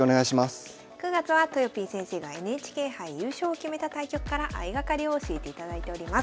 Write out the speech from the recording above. ９月はとよぴー先生がＮＨＫ杯優勝を決めた対局から相掛かりを教えていただいております。